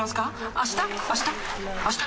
あした？